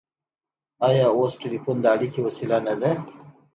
آیا اوس ټیلیفون د اړیکې وسیله نه ده؟